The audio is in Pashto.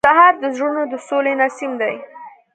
سهار د زړونو د سولې نسیم دی.